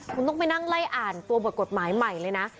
คุณต้องไปนั่งไล่อ่านตัวบทกฎหมายใหม่เลยนะ